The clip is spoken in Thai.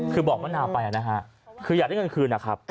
คือบอกมะนาวไปนะฮะคืออยากได้เงินคืนนะครับ